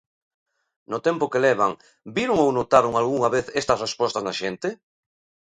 No tempo que levan, viron ou notaron algunha vez estas respostas na xente?